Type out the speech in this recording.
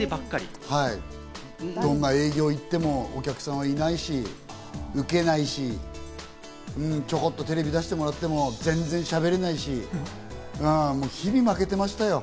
どんな営業行ってもお客さんはいないし、ウケないし、ちょこっとテレビ出してもらっても全然しゃべれないし、日々負けてましたよ。